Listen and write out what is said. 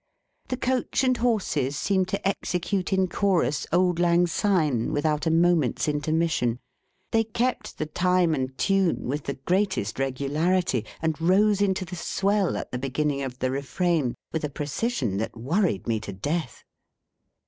The coach and horses seemed to execute in chorus Auld Lang Syne, without a moment's intermission. They kept the time and tune with the greatest regularity, and rose into the swell at the beginning of the Refrain, with a precision that worried me to death.